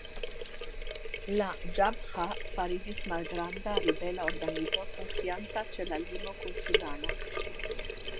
La Ĵabĥa fariĝis malgranda ribela organizo funkcianta ĉe la limo kun Sudano.